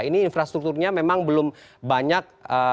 ini infrastrukturnya memang belum banyak